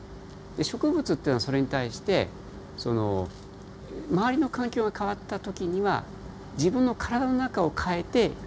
植物っていうのはそれに対して周りの環境が変わった時には自分の体の中を変えて生き延びていく。